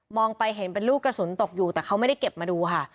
ไปเห็นเป็นลูกกระสุนตกอยู่แต่เขาไม่ได้เก็บมาดูค่ะ